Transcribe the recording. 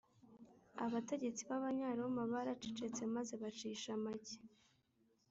abategetsi b’abanyaroma baracecetse maze bacisha make